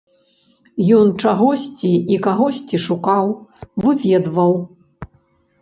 Ён чагосьці і кагосьці шукаў, выведваў.